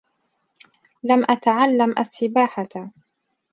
لَمْ أَتَعَلِّمْ السِّبَاحَةَ.